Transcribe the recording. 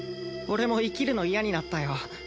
俺も生きるの嫌になったよ